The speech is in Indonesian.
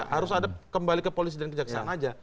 harus kembali ke polisi dan kejaksaan saja